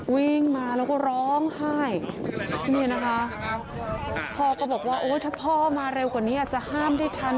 วิ่งมาแล้วก็ร้องไห้เนี่ยนะคะพ่อก็บอกว่าโอ้ยถ้าพ่อมาเร็วกว่านี้อาจจะห้ามได้ทัน